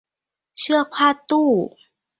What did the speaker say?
เชือกพาดตู้